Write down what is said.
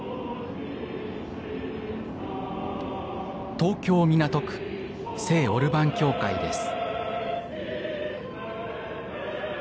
東京・港区聖オルバン教会です。